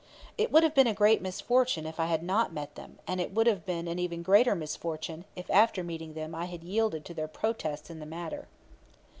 It would have been a great misfortune if I had not met them; and it would have been an even greater misfortune if after meeting them I had yielded to their protests in the matter.